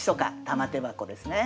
「玉手箱」ですね。